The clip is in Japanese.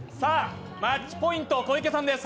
マッチポイント、小池さんです。